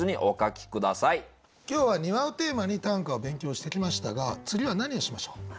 今日は「庭」をテーマに短歌を勉強してきましたが次は何をしましょう？